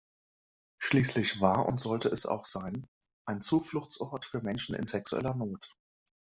Schließlich war und sollte es auch sein: ein Zufluchtsort für Menschen in sexueller Not.